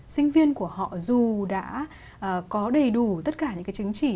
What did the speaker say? sinh viên của họ dù đã có đầy đủ tất cả những cái chính trị